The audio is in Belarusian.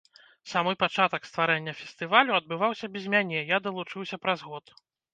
Самы пачатак стварэння фестывалю адбываўся без мяне, я далучыўся праз год.